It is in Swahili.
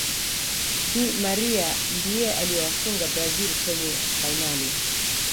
di Maria ndiye aliyewafunga brazil kwenye fainali